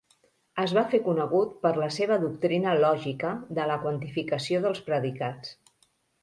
Es va fer conegut per la seva doctrina lògica de la quantificació dels predicats.